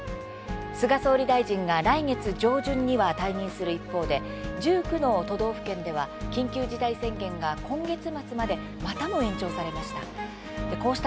菅総理大臣が来月上旬には退任する一方で１９の都道府県では緊急事態宣言が今月末までまたも延長されました。